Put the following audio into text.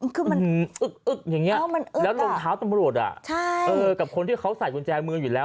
คือมันอึกอย่างนี้แล้วรองเท้าตำรวจกับคนที่เขาใส่กุญแจมืออยู่แล้ว